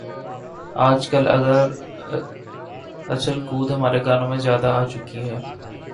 آج کل اگر اچھل کود ہمارے گانوں میں زیادہ آ چکا ہے۔